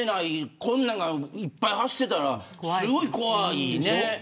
こんなのが、いっぱい走ってたらすごい怖いね。